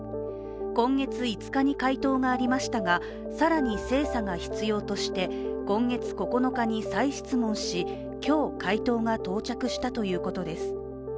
今月５日に回答がありましたが更に精査が必要として、今月９日に再質問し、今日、回答が到着したということです。